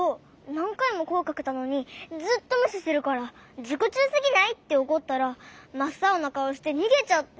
なんかいもこえかけたのにずっとむししてるから「じこちゅうすぎない！？」っておこったらまっさおなかおしてにげちゃって。